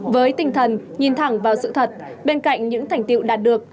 với tinh thần nhìn thẳng vào sự thật bên cạnh những thành tiệu đạt được